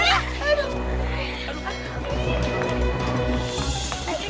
hingga kesana aja